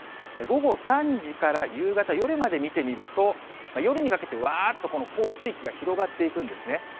午後３時から夕方、夜まで見てみると、夜にかけてわーっと、この降水域が広がっていくんですね。